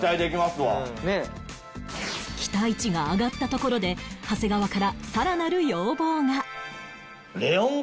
期待値が上がったところで長谷川からさらなる要望が